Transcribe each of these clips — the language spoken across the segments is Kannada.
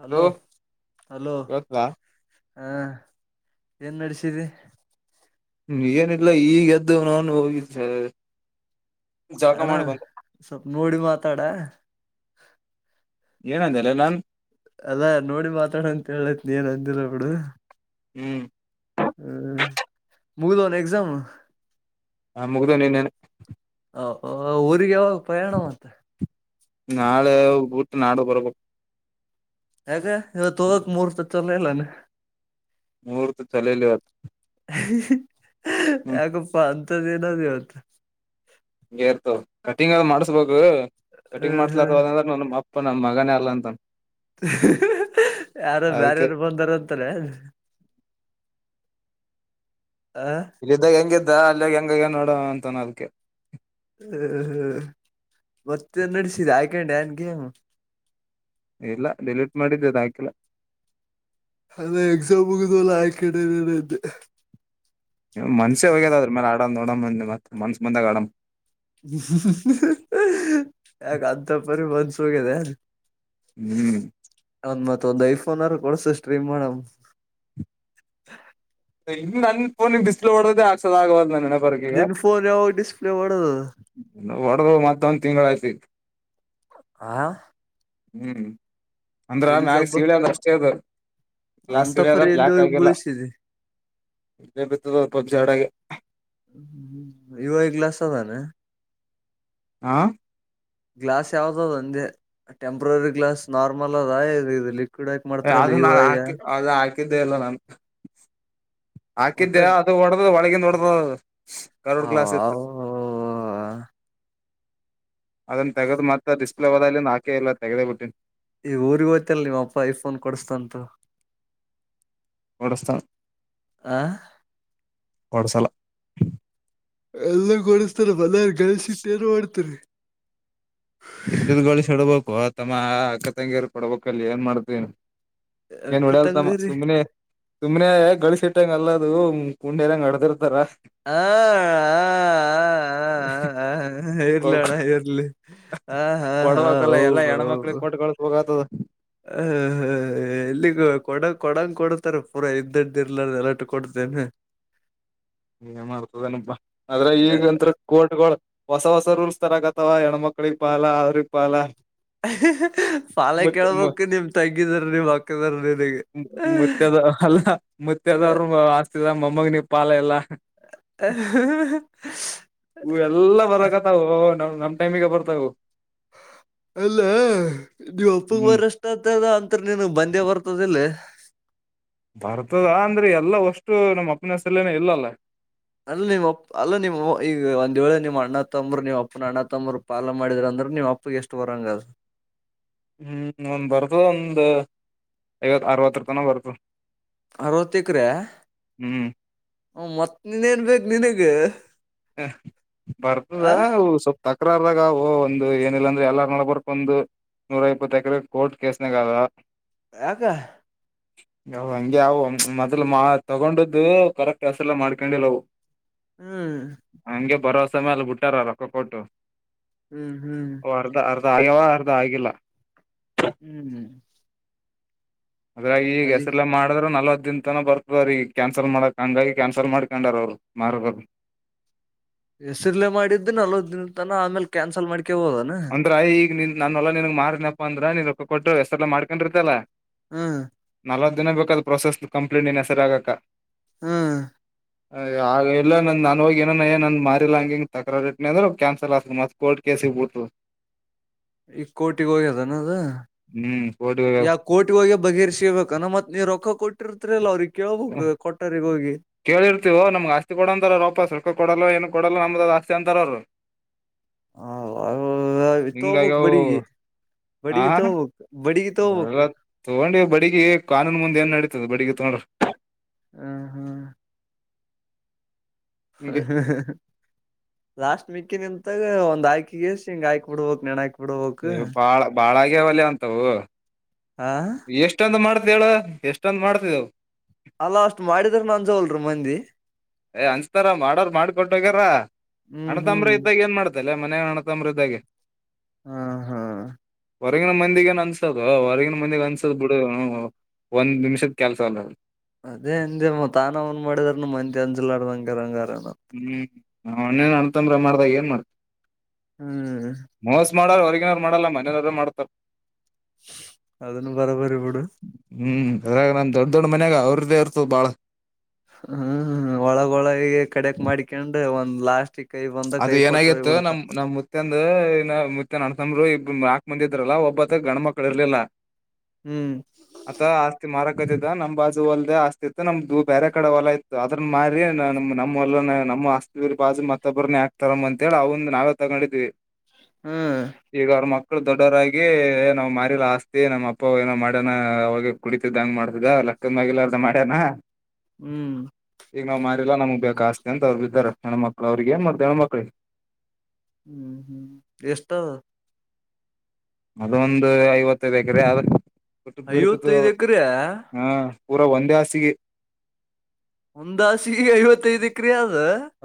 ಹಲೋ ಹಲೋ ಇವತ್ತಾ ಹಾ ಏನ್ ನಡಸಿಡಿ. ಏನಿಲ್ಲ ಈಗ ಎದ್ದ ನೌನ ಹೋಗಿಲ್ಲ. ಅಣ್ಣ ಸ್ವಪ ನೋಡಿ ಮಾತಾಡ. ಏನ ಅಂದಲ್ಲ ನಾನ. ಅಲ್ಲಾ ನೋಡಿ ಮಾತಾಡ ಅಂತ ಹೇಳತ ಏನ್ ಅಂದಿಲ್ಲ ಬಿಡು. ಹ್ಮ. ಹ್ಮ ಮೂಗದು ಅನ ಎಕ್ಸಾಮ್. ಹ ಮುಗ್ದ ನಿನ್ನೆನ ಅ ಅ ಊರಿಗ ಯಾವಾಗ ಪಯಾಣ ಮತ್ತ ನಾಳೆ ಊತ್ ನಾಡುದ್ ಬರ್ಬಾಕು. ಯಾಕೆ ಇವತ್ ಹೋಗಕ್ ಮೂರ್ತ ಇತ್ತಲೆನ್ ನಾನು. ಮೂರ್ತ ಚಲೆಲೆಯಾಪ್. ಯಾಕಪ್ಪ ಅಂತದ್ ಏನಾತಿವತ್. ಹೇರ್ತ ಕಟಿಂಗರ ಮಾಡ್ಸ್ಬೇಕು ಕಟಿಂಗ್ ಹ್ಮ್ ಹ್ಮ್ ಮಾಡ್ಸ್ಲ ನನ್ಮಪ್ಪ ನನ್ ಮಗನೆ ಅಲ್ಲಂತನ. ಯಾರೋ ಅದಕ್ಕೆ ಬ್ಯಾರ್ಯರ್ ಬಂದಾರಂತಾಲೆನ್. ಹಾ. ಇಲ್ ಇದ್ದಾಗೆಂಗಿದ್ದ ಅಲ್ಲೋಗ್ ಹೆಂಗಗೆನ್ ನೋಡವ ಅಂತನ್ ಅದ್ಕ್ಕೆ. ಮತ್ತೆನ್ ನಡ್ಸಿದೆ ಅಕೆಂಡ್ಯಾ ಗೇಮ್. ಇಲ್ಲ ಡಿಲೀಟ್ ಮಾಡಿದ್ದೆ ಅದ್ ಹಾಕಿಲ್ಲ. ಅದು ಎಕ್ಸಾಮ್ ಮುಗ್ದಿಲ್ಲ ಅಕೆಂಡೆಡನಿದೆ. ಮನ್ಷ್ಯ ಹೋಗ್ಯದ್ ಅದ್ರು ಮ್ಯಾಲೆ ಆಡನ್ ನಡಮ್ ಮನ್ಸ ಬಂದಾಗಡಮ್. ಯಾಕ್ ಅಂತ ಪರಿ ಮನ್ಸೂಗೆದ ಅದು. ಹ್ಮ್. ಅದ್ ಮತೊಂದ್ ಐಫೋನರ ಕೊಡ್ಸು ಸ್ಟ್ರೀಮ್ ಮಾಡಮ್. ಇನ್ ನನ್ ಫೋನಿಗ್ ಡಿಸ್ಪ್ಲೇ ಹೋಡ್ದುದೇ ಅಕ್ಸ ಆಗವಲ್ದ್ ನನಾ ನಿನ್ ಫೋನ್ ಯಾವಾಗ್ ಡಿಸ್ಪ್ಲೇ ಹೋಡ್ದಾದ್. ಹೊಡ್ದು ಮತ್ತೊಂದ್ ತಿಂಗಲೈತ್ತಿಗ್. ಹಾ. ಹ್ಮ್ ಅಂದ್ರ ಮ್ಯಾಗ್ ಎಲ್ದಬ್ಬ ಸೀಳೆದಷ್ಟೇ ಅದು. ಅಂತ ಪರಿ ಗ್ಲಾಸಿಗದಕ್ ಲಾಕ್ ಎಲ್ಲಿವಗ್ ಆಗಿಲ್ಲ. ಬಳಸಿದಿ [unintelligible] ಪಬ್ಜಿ ಅಡಗೆ. ಹ್ಮ್ ಹ್ಮ್ ಯು ಐ ಗ್ಲಾಸದೆನಾ. ಹಾ. ಗ್ಲಾಸ್ ಯಾವ್ದಾದ್ ಅಂದೆ ಟೆಂಪ್ರವರಿ ಗ್ಲಾಸ್ ನಾರ್ಮಲ್ ಅದ ಇದ್ ಇದ್ ಹೇ ಅದು ನಾ ಹಾಕಿ ಅದು ಹಾಕಿದ್ದೆ ಇಲ್ಲ ನಾನು. ಒಟ್ಟ ಹಾಕಿದ್ದೆ ಅದು ಹೊಡ್ದ್ ಒಳಗಿಂದ್ ಹೊಡ್ದದ ಕಾರ್ವುಡ್ ಗ್ಲಾಸ್ ಇತ್. ಅದನ್ ತಾಗ್ದ್ ಮತ್ತ ಡಿಸ್ಪ್ಲೇ ಹೋದಲಿಂದ್ ಹಾಕೆ ಇಲ್ಲ ತಗ್ದೇ ಬಿಟ್ಟಿನ್. ಈ ಊರಿಗೊತ್ತಿಯಲ್ ನೀಮ್ ಅಪ್ಪ ಐಫೋನ್ ಕೊಡುಸ್ತನ್ ತೋ. ಕೊಡಸ್ತಾನ್ ಆ ಕೊಡ್ಸಾಲ. ಎಲ್ಲ ಕೊಡಸ್ತಾನ ಬಲೇ ಗಳ್ಸಿಟ್ ಏನ್ ಮಾಡ್ತಿರಿ. ಇಬ್ರುದ್ ಗಾಳ್ಸಿಡ್ಬಾಕೊ ತಮ್ಮ ಅಕ್ಕ ತಂಗಿಯರ್ಗ್ ಕೊಡ್ಬಕಲ್ ಏನ್ ಮಾಡ್ತಿ. ಏನ್ ಅಕ್ಕ ಹೊಡೆಯಲ್ತಮ್ಮ ತಂಗರಿ ಸುಮ್ಮ್ನೆ. ಸುಮ್ನೆ ಗಳ್ಸಿಟಾನ್ ಎಲ್ಲದು ಕುಂಡೆದಂಗ್ ಅಡ್ತಿರ್ತಾರ. ಹಾ ಹಾ ಹಾ ಹಾ ಹಾ ಹಾ ಇರ್ಲಾಣ ಇರ್ಲಿ. ಕೊಡ್ಬಾಕಲ ಎಲ್ಲಾ ಹೆಣ್ಮಕ್ಳಿಗ್ ಕೊಟ್ ಕಾಳುಸ್ಬಕತದ. ಹ್ ಹಾ ಹಾ. ಎಲ್ಲಿಗೋ ಕೊಡಕ್ ಕೊಡಂಗ್ ಕೊಡ್ತಾರ ಪೂರಾ ಇದಿದ್ ಇರ್ಲಾರ್ದ ಎಲ್ಲಟ್ ಕೊಡ್ತಿಯೇನು. ಏನ್ ಮಾಡ್ತದನಪ್ಪಾ ಆದ್ರಗೀಗಂತ್ರು. ಕೋರ್ಟ್ಗಳು ಹೊಸ ಹೊಸ ರೂಲ್ಸ್ ತರಕತವ ಹೆಣ್ಮಕ್ಳಿಗ್ ಪಾಲ ಅವ್ರಿಗ್ ಪಾಲ. ಪಾಲ ಮುತ್ ಕೇಳ್ಬಕು ನಿಮ್ ತಂಗಿದ್ರ್ ನಿಮ್ ಅಕ್ಕಂದ್ರು ನಿನಗೆ. ಮುತ್ತೆದ ಅಲ್ಲ ಮುತ್ತೇದಾರ್ ಆಸ್ತಿದ ಮೊಮ್ಮಗ್ನಿಗ್ ಪಾಲ ಇಲ್ಲ. [inaudible] ಇವ್ ಎಲ್ಲಾ ಬರಕತ್ತವೋ ನಮ್ ನಮ್ ಟೈಮಿಗೆ ಬರ್ತಾವುವು. ಅಲ್ಲ ನೀಮ್ಮ ಅಪ್ಪಗ್ ಹ್ಮ್ ಬರಷ್ಟ ದ ಅಂತರ್ ನೀನಗ ಬಂದೇ ಬರ್ತದ ಇಲ್ಲ ಬರ್ತದ ಅಂದ್ರೆ ಎಲ್ಲಾ ವಷ್ಟು ನಮ್ಮ ಅಪ್ಪನ ಹೆಸರಲೇನ ಇಲ್ಲಲ್ಲ ಅಲ್ಲ ನಿಮ್ಮಪ್ಪ ಅಲ್ಲ ನಿಮ್ಮ ಈಗ ಒಂದ್ ವೇಳೆ ನಿಮ್ಮ ಅಣ್ಣ ತಂಬರು ನಿಮ್ಮ್ ಅಪ್ಪನ ಅಣ್ಣ ತಂಬರು ಪಾಲ ಮಾಡಿದ್ರ ಅಂದ್ರ ನಿಮ್ಮ ಅಪ್ಪಗ ಎಷ್ಟ್ ಬರಂಗಾದ ಹ್ಮ್ ಒಂದ್ ಬರ್ತ ಒಂದ್ ಐವತ್ತ್ ಅರವತ್ತರ ತನ ಬರ್ತದ್ ಅರವತ್ತೇಕ್ರ ಹ್ಮ್ ಹ್ಮ್ ಮತ್ ನಿನೆನ್ ಬೇಕ್ ನಿನಗ್ ಹ ಬರ್ತದಾ ಅವು ಸೂಪ್ಪ ತಕ್ರಾರ್ದಾಗ ಯಾವೂ ಒಂದು ಏನಿಲ್ಲ ಅಂದ್ರ ಎಲ್ಲಾರ ನಡಬರಕ್ ಒಂದ್ ನೂರ ಇಪ್ಪತ್ತ್ ಎಕರೆ ಕೋರ್ಟ್ ಕೇಸನೆಗಾದ್ ಯಾಕ್ ಯವು ಹಂಗೆ ಆವು ಮೊದಲ್ ಮಾ ತಗೊಂಡ್ದು ಕರೆಕ್ಟ್ ಹಸೆರಲ್ಲೆ ಮಾಡ್ಕೊಂಡಿಲ್ಲವು ಹ್ಮ್ ಹಂಗೆ ಬರೋಸೆ ಮ್ಯಾಲ್ ಬುಟ್ಟಾರ ರೊಕ್ಕ ಕೊಟ್ಟು ಹ್ಮ್ ಹ್ಮ್ ಓ ಅರ್ಧ ಅರ್ಧ ಆಗ್ಯವ ಅರ್ಧ ಆಗಿಲ್ಲ ಹ್ಮ್ ಹ್ಮ್ ಅದ್ರಾಗ ಈಗ ಅದಿ ಹೆಸ್ರಲ್ಲ ಮಾಡಿದ್ರ ನಲವತ್ತದ ದಿನ ತನ ಬರ್ತ ರಿಗ್ ಕ್ಯಾನ್ಸಲ್ ಮಾಡಕ್ ಹಂಗಾಗಿ ಕ್ಯಾನ್ಸಲ್ ಮಾಡ್ಕೊಂಡಾರ ಅವ್ರು ಮಾರಬೇಕ್ ಹೆಸರ್ಲೆೇ ಮಾಡಿದ್ದು ನಲ್ವತ್ ದಿನ ತನ ಆಮೇಲೆ ಕ್ಯಾನ್ಸಲ್ ಮಾಡ್ಕೆಬಹುದನ್ ದ್ರ ಈಗ ನಿನ್ ನನ್ ಹೊಲ ನಿನ್ಗ ಮಾರಿನನಪ್ಪ ಅಂದ್ರ ನೀನ್ ರೊಕ್ಕ ಕೊಟ್ಟ ಹೆಸರಲೇ ಮಾಡ್ಕಂಡಿರ್ತಿಲ್ಲ ಹ್ಮ್ ನಲ್ವತ್ತ್ ದಿನ ಬೇಕಾದ್ ಪ್ರೋಸೆಸ್ ಕಂಪ್ಲೀಟ್ ನೀನ್ ಹೆಸರಾಗಕ ಹ್ಮ್ ಆಗ ಇಲ್ಲ ನಂದ ನಾನ್ ಹೋಗಿ ಏನಾನ ನಂದ್ ಮಾರಿಲ್ಲ ಹಂಗ ಹಿಂಗ‌ ತಕ್ರಾರಟ್ನಿ ಅಂದ್ರ ಕ್ಯಾನ್ಸಲ್ ಆಗ್ತ ಮತ್ ಕೋರ್ಟ್ ಕೇಸಿಗೆ ಬಿಳತ್ತದ್ ಈಗ ಕೋರ್ಟಿಗ್ ಹೋಗ್ಯದನ ಅದ್ ಹ್ಮ್ ಕೋರ್ಟಿಗ ಹೋಗ್ಯದ್ ಕೋರ್ಟಿಗ್ ಹೋಗ್ಯ ಬಗೇರ್ರಿಸಿಬೇಕನ ಮತ್ ನೀವ ರೊಕ್ಕ ಕೊಟ್ಟಿರ್ತರಿಲ್ಲ ಅವ್ರಿಗೆ ಕೇಳ್ಬೇಕು ಕೊಟ್ಟರಿಗ ಹೋಗಿ ಕೇಳಿರ್ತೀವು ನಮ್ಗ ಆಸ್ತಿ ಕೊಡ ಅಂತಾರ ರೂಪಾಯಿ ಕೊಡೋಲ್ಲ ಏನು ಕೊಡಲ್ಲ ನಮ್ದ ಅದು ಆಸ್ತಿ ಅಂತಾರ ಅವರು ಹಿಂಗಾಗ್ಯ ತಗೋಬಕ್ ಅವು ಬಡಿಗಿ ಬಡಿಗಿ ಹ್ ತಗೋಬಕ್ ಬಡಿಗಿ ತಗೋಬಕ್ ಎಲ್ಲ ತಗೊಂಡಿವ ಬಡಿಗಿ ಕಾನೂನ್ ಮುಂದೆ ಏನ್ ನಡೀತದ ಬಡಿಗಿ ತಗೊಂಡ್ರಿ. ಹ ಹಾ. ಹ ಹಿಂಗೆ ಹ. ಲಾಸ್ಟ ಮಿಕ್ಕಿ ನಿಂತಾಗ ಒಂದ ಆಯ್ಕಿಗೆ ಗೆಷಿ ಹಿಂಗ ಆಯ್ಕ್ ಬುಡಬೇಕ್ ನೆಣ ಆ. ಏ ಬಾಳ ಬಾಳಾಗ್ಯ ಒಲ್ಯ ಅಂತವು ಆ ಎಷ್ಟ. ಎಷ್ಟೊಂದ ಮಾಡ್ತೇಳ ಎಷ್ಟೊಂದ ಮಾಡ್ತಿದ್ದವು. ಅಲ್ಲ ಅಷ್ಟ ಮಾಡಿದ್ರುನು ಅಂಜ ವಲ್ರು ಮಂದಿ. ಏ ಅಂಜತಾರ ಮಾಡರ್ ಮಾಡಿ ಕೊಟ್ಟು ಹೋಗ್ಯಾರ ಹ್ಮ್ ಹ್ಮ್ ಅಣ್ಣತಂಬ್ರ ಇದ್ದಾಗ ಏನ್ ಮಾಡ್ತಿ. ತಲ್ಲೆ ಮನ್ಯಗ್ ಅಣ್ಣತಮ್ಮರ ಇದ್ದಾಗೆ ಹ್ ಹಾ. ಹೊರಗಿನ ಮಂದಿಗ ಏನ್ ಅಂಜಸದೂ ಹೊರಗಿನ ಮಂದಿಗ ಅಂಜಸದ್ ಬುಡುನೌನ್ ಒಂದ್ ನಿಮಿಷದ ಕೆಲ್ಸ ಅಲ್ಲ. ಅದೇ ಅಂದೆ ಮತ್ತ ಆನಮನಿ ಮಾಡಿದಾರ ಮಂದಿ ಅಂಜಲರಾದಂಗ್ ಇರಂಗಾರನು ಹ್ಮ್ ನಮ್ಮನೇನ ಅಣ್ಣತಮ್ಮರೇ ಮಾಡಿದಾಗ ಏನ್ ಮಾಡ್ತಿ ಹ್ಮ್ ಮೋಸ್ ಮಾಡಾರ ಹೊರಗಿನವ್ರು ಮಾಡಲ್ಲ ಮನೆಯನವರೆ ಮಾಡ್ತಾರ ಅದುನು ಬರಾಬರಿಬಿಡು. ಹ್ಮ್ ಅದ್ರಾಗ ನಮ್ ದೊಡ್ಡ ದೊಡ್ಡ ಮನ್ಯಾಗ ಅವ್ರದ್ದ ಇರ್ತದ ಬಾಳ. ಹ್ಮ್ ಒಳಗೊಳಗೆ ಕಡಕ್ ಮಾಡಿಕಾಂತ ಒಂದ್ ಲಾಸ್ಟಿಕ್ ಅದು ಏನಾಗಿತ್ತು ನಮ್ ನಮ ಮು ಮುತ್ಯ ಅಂದು ಅಣ್ಣ ತಂಬ್ರು ಇಬ್ ನಾಕ್ ಮಂದಿದ್ರಲ್ಲ ಒಬ್ಬತ್ತ ಗಂಡ ಮಕ್ಳ ಇರ್ಲಿಲ್ಲ. ಹ್ಮ್ ಆತ ಆಸ್ತಿ ಮಾರಕತ್ತಿದ್ದ ನಮ್ ಬಾಜು ಹೊಲ್ದದೆ ಆಸ್ತಿ ಇತ್ತು ನಮ್ದು ಬೇರೆ ಕಡೆ ಹೊಲ ಇ ಅದ್ರನಾ ಮಾರಿ ನಮ್ಮಲ್ಲ ನಮ್ಮ ಅಸ್ತಿರ್ಬಾಜು ಮತ್ತ ಮತ್ತೊಬ್ಬರ ಯಾಕ್ ತಗಂ ಅಂತ ಹೇಳಿ ನಾವೇ ತಗೊಂಡಿದ್ವಿ. ಹ್ಮ್. ಈಗ ಅವ್ರ ಮಕ್ಳು ದೊಡ್ಡವರಾಗಿ ನಾವ್ ಮಾರಿಲ್ಲ ಆಸ್ತಿ ನಮ್ಮ್ ಅಪ್ಪ ಏನೋ ಮಾಡ್ಯನ ಅವಾಗ. ಕುಡಿತದಂಗ ಮಾಡತಿದ ಲೆಕ್ಕದ ಮೇಲೆ ಇರ್ಲರ್ಡೆ ಅಂಗ ಮಾಡ್ಯನ. ಹ್ಮ್. ಈಗ ನಾವ್ ಮಾರಿಲ್ಲಾ ನಮ್ಗ್ ಬೇಕಾ ಆಸ್ತಿ ಅಂತ ಅವ್ರು ಬಿದಾರೆ ಹೆಣ್ಮಕ್ಳ ಅವ್ರಿಗೆ ಮತ್ತೆ ಹೆಣ್ಮಕ್ಳಿಗೆ. ಹ್ಮ್ ಹ್ಮ್ ಎಷ್ಟ ಅದೊಂದು ಐವತ್ತೈದು ಎಕ್ರೆ ಆದ ರಿ ಬಿಟ್ಟು ಬೀಳು ಬಿದ್ದದ. ಐವತ್ತೈದ್ ಎಕ್ರೆ ಪುರ ಒಂದೇ ಹಾಸಿಗೆ. ಒಂದೇ ಹಾಸಿಗೆ ಐವತ್ತೈದು ಎಕ್ರೆ ಆದ.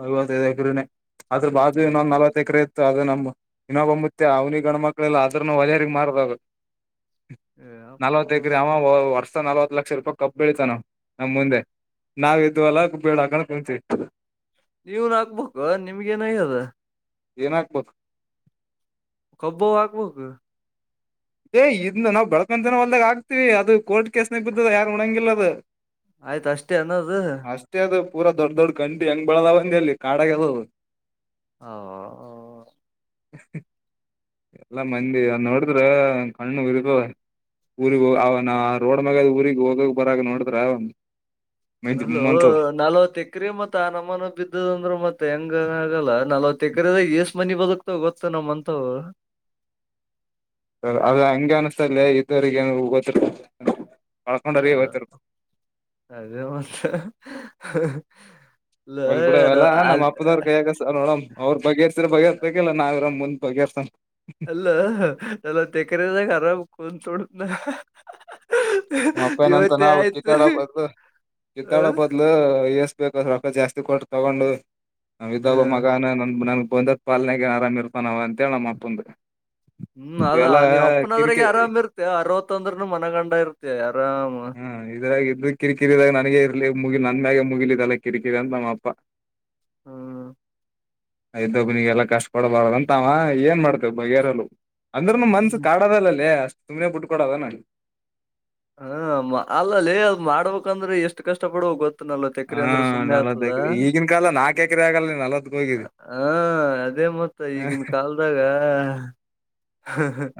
ಐವತ್ತೈದು ಎಕರೆನೆ ಆದರ ಬಾಜು ಇನ್ನೊಂದು ನಲವತ್ ಎಕರೆ. ಅದ ನಮ್ಮ ಇನ್ನೊಬ್ಬ ಮುತ್ಯ ಅವ್ನಿಗೆ ಗಣ ಮಕ್ಳೆಲ್ಲ ಅದ್ರನು ಹೊಲೆಯರ್ಗ್ ಮಾರದ ಅದು. ಏ ಯಪ್ಪಾ ನಲವತ್ ಅವ ವರ್ಷ ವರ್ಷ ನಲವತ್ ಲಕ್ಷ ರೂಪಾಯಿ ಕಬ್ ಬೆಳಿತನ ನಮ್ ಮುಂದೆ. ನಾವ್ ಇದ್ ಅಲ್ಲ ಬೀಳ ಹಾಕೊಂಡು ಕುಂತ್ವಿ. ನೀವುನು ಹಾಕ್ಬೇಕು ನಿಮ್ಗ ಏನಾಗಿದೆ. ಏನ್ ಹಾಕ್ಬೇಕು. ಕಬ್ಬು ಅವು ಹಾಕ್ಬೇಕು. ಏ ಇದ್ ನಾವು ಬೆಳಕೊಂಡು ತಿನ್ನೋ ಹೊಲ್ದಾಗ ಆಗ್ತಿವಿ ಅದು ಕೋರ್ಟ್ ಕೇಸ್ನಾಗ ಬಿದ್ದದ ಯಾರು ಉಣಂಗಿಲ್ಲ ಅದು. ಆಯ್ತ ಅಷ್ಟೇ ಏನ್ ಅದು. ಅಷ್ಟೇ ಅದು ಪುರ ದೊಡ್ಡ ದೊಡ್ಡ ಗಂಡಿ ಹೆಂಗ ಬೆಳೆದವಂಡಿ ಅದು ಅಲ್ಲಿ ಕಾಡಾಗದದು. ಹ. [inaudible] ಎಲ್ಲಾ ಮಂದಿ ಅದು ನೋಡಿದ್ರ ಕಣ್ಣು ಉರಿತದ. ಊರಿಗೆ ಹ ಅವ ನ ರೋಡ್ ಮ್ಯಾಗ ಊರಿಗೆ ಹೋಗಗ ಬರಗ ನೋಡಿದ್ರ ಮೈ ಅಲೋ ಜುಮ್ ಅಂತದ ನಾಲ್ವತ್ತ ಎಕ್ರ ಮತ್ತತ ಆ ನಮ್ಮನ ಬಿದ್ದದ ಅಂದ್ರ ಮತ್ತ ಹೆಂಗ ಆಗಲ್ಲ ನಲ್ವತ್ ಎಕರೆದ ಏಷ್ಟ್ ಮಂದಿ ಬದಕ್ ಗೊತ್ತ ನಮ್ಮಂತವು. ಸ ಅದ ಹಂಗೆ ಅನ್ಸ್ತದಲೇ ಇದ್ದೋರಿಗೆ ಏನ್ ಗೊತ್ [unintelligible] ಅದೇ ಮಾತ [unintelligible] ಹೋಗ್ಲಿ ಬಿಡು ಅವೆಲ್ಲ ನಮ್ಮ ಅಪ್ಪದವ್ರ ಕೈಯಾಗ ನೋಡಮ್ಮ. ಅವರು ಬಗೆೇರ್ಸರ ಬಗೇರ್ಸಬೇಕಲ್ಲ ನಾವರ ಮುಂದ್ ಬಗೇರ್ಸಮ್ಮ. ಇಲ್ಲ ಅಲ್ಲ ನಲವತ್ ಎಕ್ರೆ ದಾಗಾ ಕುಂತ್ ಉನ್ತೀನಿ ನಾನು. ಅಪ್ಪಾಯನಂತ ನಾವು ಕಿತ್ತಾಡ ಬದಲು ಕಿತ್ತಾಡ ಬದ್ಲು ಎಸ್ಬೇಕ ಅಸು ರೊಕ್ಕ ಜಾಸ್ತಿ ಕೊಟ್ಟ ತಗೊಂಡು ನಮ ಇದ್ದಾಗ ಮಗನ ನ ನನ್ಗ್ ಬಂದ ಪಾಲನೆಗೆ ಆರಾಮ್ ಇರ್ತಾನವ ಅಂತ ಹೇಳಿ ನಮ್ಮ ಅಪ್ಪಂದ. ಹ್ಮ್ ಅದ ನೀವ್ ಅಪ್ಪನದ್ರಗೆ ಕಿರಿಕಿರಿ ಆರಾಮ್ ಇರ್ತಿ ಅರವತ್ತೊಂದ್ರನು ಮನಗಂಡ ಇರ್ತಿ ಆರಾಮ. ಹ ಇದ್ರಾಗ ಇದ ಕಿರಿಕಿರಿದಾಗ ನನಗೆ ಇರ್ಲಿ ಮುಗಿ ನನ್ ಮ್ಯಾಗೆ ಮುಗಿಲಿದಲ್ಲ ಕಿರಿಕಿರಿ ಅಂತ ನಮ್ಮ ಅಪ್ಪಾ ಹ್ಮ ಇದ್ದಯ್ದೊಬ್ನಿಗೆ ಎಲ್ಲಾ ಕಷ್ಟ ಪಡಬಾರದ ಅಂತ ಅವ ಏನ್ ಮಾಡ್ತೇವ ಬಗೆೇರಲ್ಲ. ಅಂದ್ರನು ಮನ್ಸ ಕಾಡೋದಲ್ಲೇ ಅಷ್ಟ ಸುಮ್ನೆ ಬಿಟ್ ಕೊಡೋದನ ಹಾ ಅಲ್ಲಲೇ ಅದ್ ಮಾಡ್ಬೇಕಂದ್ರೆ ಎಷ್ಟ ಕಷ್ಟ ಪಡುಬೇಕ್ ಗೊತ್ತ. ಒಂಬ್ಬತ್ತ ಎಕರೆ ಹಾ ಅಂದ್ರ ಸುಮ್ಮನೆ ನಲವತ್ ಆಗ್ತದ ಎಕರೆ ಈಗಿನ ಕಾಲ ನಾಕ್ ಎಕರೆ ಆಗಲ್ಲ ನಲವತ್ಕ್ ಹೋಗಿದಿ ಹಾ ಅದೇ ಮತ್ತ. ಹ ಈಗಿನ ಕಾಲದಾಗ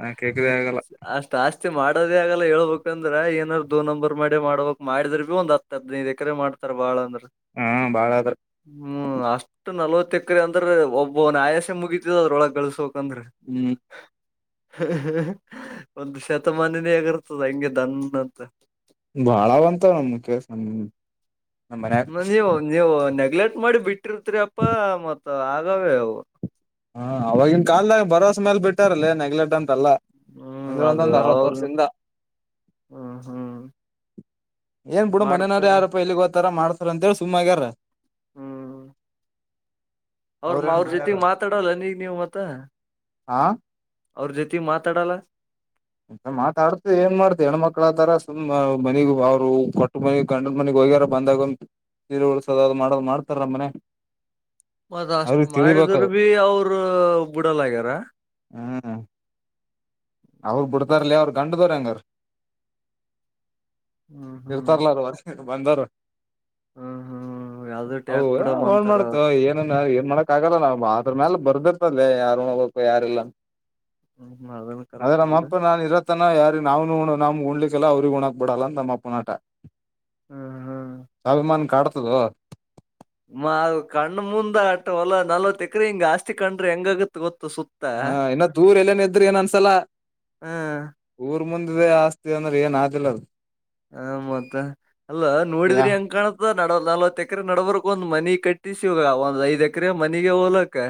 ನಾಕ್ ಎಕರೆ ಹೆಚ್ಚ ಆಗಲ್ಲ ಅಷ್ಟ. ಜಾಸ್ತಿ ಮಾಡೋದೇ ಆಗಲ್ಲ ಹೇಳ್ಬೇಕು. ಇದರಗೂ ಏನಾರ ದೋ ನಂಬರ್ ಮಾಡಿ ಮಾಡಬೇಕ್ ಮಾಡಿದ್ರ ಒಂದ ಹತ್ತ ಹದನೈದ್ ಎಕರೆ ಮಾಡ್ತಾರ ಬಾಳ ಅಂದ್ರ ಹ್ಮ ಬಾಳಾದ್ರ ಹ್ಮ್ ಅಷ್ಟ್ ನಲ್ವತ್ತ ಎಕರೆ ಅಂದ್ರೆ ಒಬ್ಬನ್ ಆಯಸೆ ಮುಗಿತದ ಅದ್ರೊಳಗ್ ಗಳಿಸ ಬೇಕ್ ಅಂದ್ರ ಹ್ಮ್. [unintelligible] ಒಂದು ಶತಮಾನಿನೆ ಆಗರ್ತದ ಹಂಗೆ ದನ್ ಅಂತ. ಬಾಳ ಬಂತ ನಮ ಕೆಸ [unintelligible] ಹ ನೀವು ನೀವು ನೆಗ್ಲೆಕ್ಟ್ ಮಾಡಿ ಬಿಟ್ಟಿರ್ತರಿ ಅಪ್ಪಾ ಮತ್ತ ಆಗವೆಅವು ಹಾ ಅವಾಗಿನ ಕಾಲದಾಗ ಬರೋಸ ಮೇಲ್ ಬಿಟ್ಟಾರಲ್ಲೇ ನೆಗ್ಲೆಕ್ಟ್ ಅಂತಲ್ಲ ಹ್ಮ್ ಒಂದ ಅದು ಒಂದೊಂದು ಅರವತ್ತ ಅವಾಗ ವರ್ಷದಿಂದ ಹ್ಮ್ ಹ್ಮ್ ಏನ್ ಬಿಡ ಮನೇನವಾರ ಮಾಡ್ತಾರ ಯಾರಪ್ಪ ಎಲ್ಲಿಗ್ ಹೋತಾರ ಮಾಡ್ತಾರ ಅಂತೇಳಿ ಸುಮ್ಮ್ಗ್ಯಾರ ಹ್ಮ್ ಅವ್ರ ಅವ್ರೇನ್ ಅವ್ರ ಜೊತೆಗ್ ಮಾಡ್ಯಾರ ಮಾತಾಡಲ್ಲ ನೀಗ್ ನೀವ ಮತ್ತ ಹಾ ಅವ್ರ ಜೊತೆಗೆ ಮಾತಾಡಲ್ಲ ಮಾತಾಡ್ತ ಏನ್ ಮಾಡ್ತ ಹೆಣ್ಮಕ್ಳತಾರ ಸುಮ್ಮ ಮನಿಗೆ ಅವರು ಕೊಟ್ಟು ಮನಗ್ ಗಂಡನ ಮನೆಗ್ ಹೋಗ್ಯಾರ ಬಂದಾಗಒಮ್ಮೆ ಸೀರಿ ಉಳಸದ ಮಾಡ ಮಾಡ್ತಾರ ನಮ್ಮಮನ್ಯಾಗ್ ಮತ್ತ್ ಅಷ್ಟ ಮಾಡಿದ್ರ ಭೀ ಅವರು ಬಿಡಲ್ ಆಗ್ಯಾರ ಹ್ಮ ಹ್ಮ್ಮ್ ಅವ್ರ ಬಿಡ್ತಾರಲಿ ಅವ್ರ ಗಂಡದವ ಹೆಂಗರ್ ಹ್ಮ ಹ್ಮ ಬಂದರ ಲೇ ಅವರ ಹೊರಸಾಕೋಕ ಬಂದರ ಹ್ಮ್ ಹ್ಮ್ ಯಾವ್ದ ಟ್ಯಾಕ್ [inaudible] ಬಿಡಮ್ಮ ಓನ್ ಅಂತಾರ ಅವ್ರ ಮಾಡತು ಏನ್ ಇನ್ನ ಏನ್ ಮಾಡಕ್ ಆಗಲ್ಲ ನಾ ಆದ್ರ ಮ್ಯಾಲ ಬರ್ದಿರ್ತದೆ ಯಾರು ನೋಡಬೇಕ ಯಾರ ಇಲ್ಲಾ [inaudible] ಆದ್ರ ನಮ್ಮ ಬಿಡು ಅಪ್ಪ ನಾ ಇರತ್ತನ ಯಾರಾ ನಾವನು ನಮ್ ಉ್ಲಕಿಲ್ಲಲ್ಲ ಅವ್ರಿಗ್ ಉಣ್ಣಾಕ್ ಬಿಡಲ್ಲ ಅಂತನಮ್ಮಪ್ಪನ ಅಟ ಹ್ಮ್ ಹ್ಮ್ [inaudible] ಅಭಿಮಾನ ಕಡತದೋ ಮ ಕಣ್ಣ ಮುಂದ ಅಟ್ಟ ಹೊಲ ನಲವತ್ತ್ ಎಕ್ರೆ ಹಿಂಗ ಆಸ್ತಿ ಕಣ್ರ ಹೆಂಗ ಆಗತ್ತ ಗೊತ್ತ ಸುತ್ತ ಹಾ ಇನ್ನು ದೂರ ಎಲ್ಲೇನ ಇದ್ರ ಏನ್ ಅನ್ಸಲ ಹ್ಮ್ ಊರ್ ಮುಂದೆ ಇದ ಆಸ್ತಿ ಅಂದ್ರೆ ಏನ್ ಆದಿಲ್ಲ ಅದ ಹ ಮತ್ತ [inaudible] ಅಲ್ಲ ನೋಡಿದ್ರ ಯಾ ಹೆಂಗ್ ಕಾಣತ್ತ ನಡವ ನಲವತ್ ಎಕರೆ ನಡಡ್ಬರ್ಗ ಒಂದ್ ಮನಿಗೆ ಕಟ್ಟಿಸಿಗ ಇವಾಗ್ ಒಂದ್ ಐದ ಎಕರೆ ಮನಿಗೆ ಹೋಲಕ್ಕ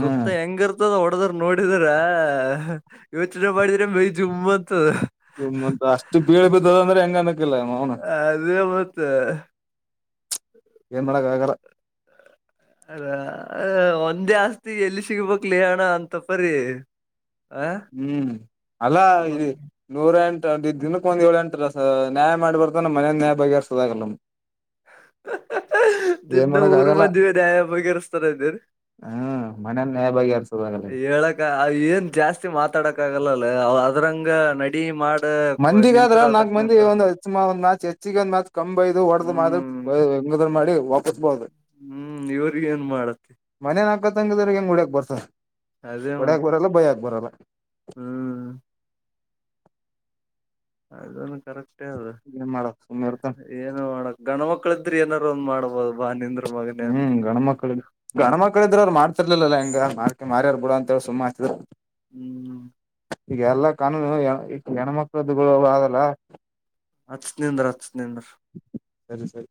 ಸುತ್ತ ಹೆಂಗ ಇರತ್ತ [unintelligible] ಹೊಡದ್ರ ನೋಡಿದ್ರ [inaudible] ಯೋಚನೆ ಮಾಡಿದ್ರೆ ಮೈ ಜುಮ ಅಂತದ ಇತ್ ಅಷ್ಟು ಬೀಳ ಬದದಂದ್ರೆ ಹೆಂಗ ಅನ್ಕ್ಕಿಲ್ಲ ಅವನ [inaudible] ಅದೇ ಮತ್ತ [inaudible] ಏನ್ ಮಾಡಕ ಆಗಲ್ಲ [unintelligible] ಅದ ಒಂದೇ ಆಸ್ತಿ ಎಲ್ಲಿ ಸಿಗ್ಬೇಕಕ್ಲಿ ಅಣ್ಣಾ ಅಂತಪ್ಪರಿ ಹ್ಮ್ [inaudible] ಅಲ್ಲಾ ಇದ ನೂರ ಎಂಟ ದಿನಕ್ಕೆ ಒಂದ್ ಏಳ ಎಂಟ ನ್ಯಾಯ ಮಾಡಿ ಬರ್ತನ ಮಾನ್ಯದ ನ್ಯಾಯ ಬಗೆ ಹರ್ಸೋದಾಗಲ್ಲ ಹಹ್ ಹ ಏನ್ ನಿನ್ನ ಮಾಡಕ್ ಊರ್ ಆಗಲ್ಲ ಮಂದಿಗಡೆ ಬಗಿಹರಸ್ತಾರ ಅಂದೇನ. ಹು ಮನ್ಯಾನ ನ್ಯಾಯಾ ಬಗೆಹರ್ಸ. ಹೇಳಕ್ಕ ಏನ್ ಜಾಸ್ತಿ ಮಾತಾಡಕ ಆಗಲ್ಲಲ್ಲ ಅದ್ರಂಗ ನಡಿ ಮಾಡ. ಮಂದಿಗ ಆದ್ರ ನಿಂತರ ನಾಕ್ ಅದಕ್ ಮಂದಿ ನಿಂದ್ರ ಒಂದ ಮ್ಯಾಚ್ ಹೆಚ್ಚಿಗ ಒಂದ ಮ್ಯಾಚ್ ಕಂಬೈದು ಹೊಡುದು ಮಾರ. ಬೈಬೇಕ ಇದನ್ನ ಮಾಡಿದ್ರ ಒಪ್ಪಬಹುದು. ಹು ಇವರ ಏನ್ ಮಾಡತಿ. ಮನ್ಯಾನ ಅಕ್ಕಾ ತಂಗಿಯರಿಗೆ ಹೆಂಗ ಹೊಡ್ಯಾಕ ಬರ್ತದ. ಅದೇ ಹೊಡ್ಯಕ್ ಮತ್ತ ಬರಲ್ಲ ಬೈಯಕ್ ಬರಲ್ಲ ಹು ಅದುನ್ನು ಕರೆಕ್ಟೇ ಅದು ಏನ್ ಮಾಡಕ್ ಸುಮ್ನೆ ಎಂದೇ. ಇರ್ತಾನ ಏನು ಮಾಡಕ್ ಗಣಮಕ್ಳ ಇದ್ರೆ ಏನಾರರು ಒಂದ ಮಾಡ್ಬಹುದ ಬಾ ನಿಂದ. ಹು ಗಣಮಕ್ಕಳಿಗೆ. ಗಣಮಕ್ಳ ಇದ್ರರು ಅವರು ಮಾಡ್ತಿರ್ಲಿಲ್ಲ ಹಿಂಗ ಆಸ್ತಿ ಮಾರ್ಯಾರ ಬಿಡ ಅಂತ ಹೇಳಿ ಸುಮ್ಮಆಕಿದ್ರು. ಹು ಹೌದು ಈಗ ಎಲ್ಲಾ ಕಾನೂನು ಈ ಹೆಣ್ಮಕ್ಳ್ದುಗಳು ಆದವಲ್ಲ. ಹಚ್ಚ ನಿಂದ್ರ ಹಚ್ಚ ನಿಂದ್ರ. ಸರಿ ಸರಿ